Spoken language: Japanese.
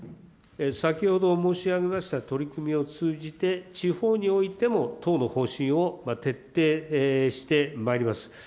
先ほど申し上げました取り組みを通じて、地方においても党の方針を徹底してまいります。